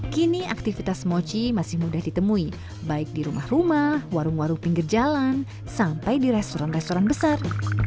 kini aktivitas mochi masih mudah ditemui baik di rumah rumah warung warung pinggir jalan sampai di restoran restoran besar